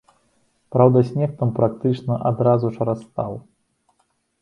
Праўда, снег там практычна адразу ж растаў.